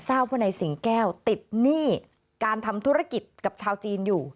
ทราบว่าในสิงแก้วติดหนี้การทำธุรกิจกับชาวจีนอยู่